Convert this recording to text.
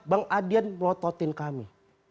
bank adian melototin kami